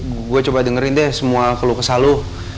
gue coba dengerin deh semua keluh kesal lo